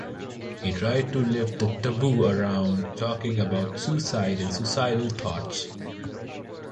He tried to lift the taboo around talking about suicide and suicidal thoughts.